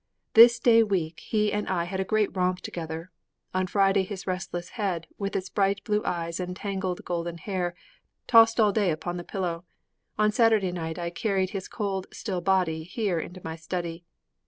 This day week he and I had a great romp together. On Friday his restless head, with its bright blue eyes and tangled golden hair, tossed all day upon the pillow. On Saturday night I carried his cold, still body here into my study.